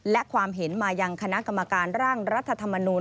และความเห็นมายังคณะกรรมการร่างรัฐธรรมนูล